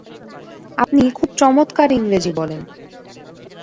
আপনি খুব চমৎকার ইংরেজি বলেন।